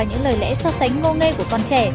những lời lẽ so sánh ngô nghê của con trẻ